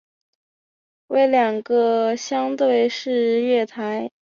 为两个相对式月台。